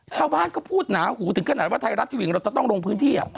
ชาวบ้านก็พูดหนาถึงขนาดไทยรัฐทีวีเราต้องลงพื้นที่